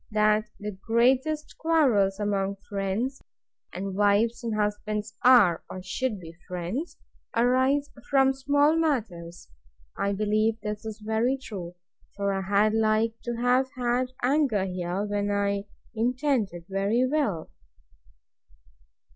That the greatest quarrels among friends (and wives and husbands are, or should be, friends) arise from small matters. I believe this is very true; for I had like to have had anger here, when I intended very well.